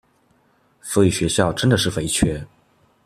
所以學校真的是肥缺